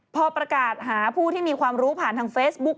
พอประกาศหาผู้ที่มีความรู้ผ่านทางเฟซบุ๊ก